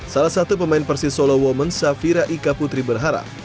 salah satu pemain persis solo women safira ika putri berharap